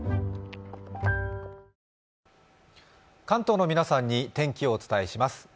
関東の皆さんに天気をお伝えします。